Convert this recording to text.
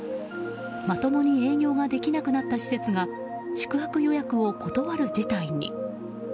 まともに営業ができなくなった施設が宿泊予約を断る事態に。